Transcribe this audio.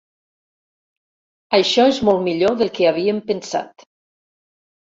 Això és molt millor del que havíem pensat.